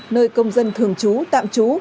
nơi công dân thường trú tạm trú